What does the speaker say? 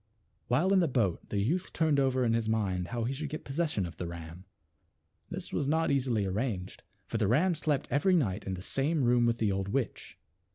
While in the boat the youth turned over in his mind how he should get possession of the ram. This was not easily arranged, for the ram slept every night in the same room with the old witch.